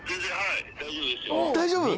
大丈夫？